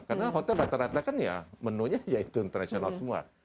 karena hotel rata rata kan ya menu nya itu internasional semua